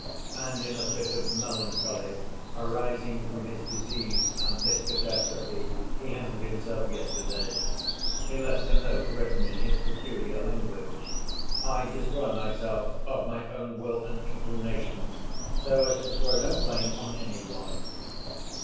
And in a fit of melancholy arising from his disease and this catastrophe he hanged himself yesterday. He left a note written in his peculiar language, 'I destroy myself of my own will and inclination so as to throw no blame on any one.